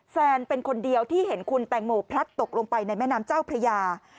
แฟนเป็นคนเดียวที่เห็นคุณแตงโมพลัดตกลงไปในแม่น้ำเจ้าพระยา